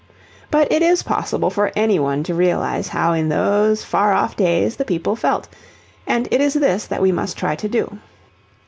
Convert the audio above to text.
But it is possible for any one to realize how in those far off days the people felt, and it is this that we must try to do.